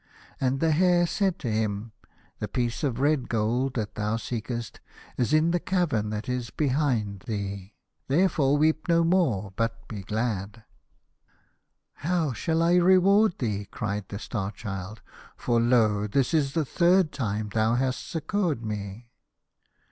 And the Hare said to him, "The piece of red gold that thou seekest is in the cavern that is behind thee. Therefore weep no more but be glad." " How shall I reward thee," cried the Star Child, " for lo ! this is the third time thou hast succoured me."